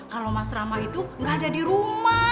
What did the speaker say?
kalau mas ramah itu gak ada di rumah